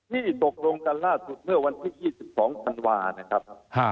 ที่ตกลงกันล่าสุดเมื่อวันที่๒๒ธันวานะครับ